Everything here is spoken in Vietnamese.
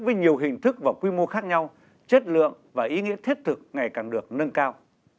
với nhiều hình thức và quy mô khác nhau chất lượng và ý nghĩa thiết thực ngày càng được nâng cao